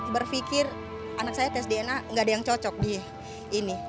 berpikir anak saya tes dna gak ada yang cocok di ini